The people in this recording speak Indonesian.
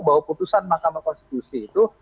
bahwa putusan mahkamah konstitusi itu